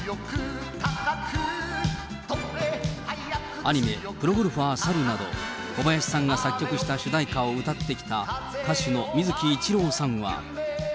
アニメ、プロゴルファー猿など、小林さんが作曲した主題歌を歌ってきた歌手の水木一郎さんは。